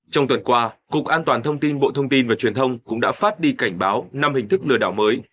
trong tuần qua cục an toàn thông tin bộ thông tin và truyền thông cũng đã phát đi cảnh báo năm hình thức lừa đảo mới